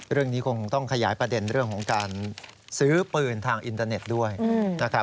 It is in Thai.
เรื่องนี้คงต้องขยายประเด็นเรื่องของการซื้อปืนทางอินเทอร์เน็ตด้วยนะครับ